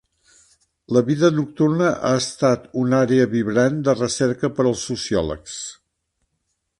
La vida nocturna ha estat una àrea vibrant de recerca per als sociòlegs.